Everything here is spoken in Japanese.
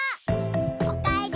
おかえり！